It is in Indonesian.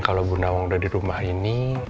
kalo bu nawang udah dirumah ini